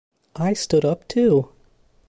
I stood up too.